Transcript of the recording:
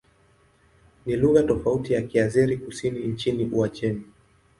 Ni lugha tofauti na Kiazeri-Kusini nchini Uajemi.